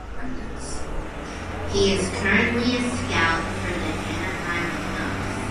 He is currently a scout for the Anaheim Ducks.